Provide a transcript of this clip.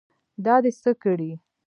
دا دې څه کړي.